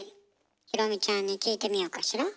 裕美ちゃんに聞いてみようかしら。